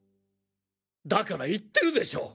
だから言ってるでしょう。